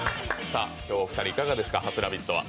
今日お二人いかがですか、初「ラヴィット！」は。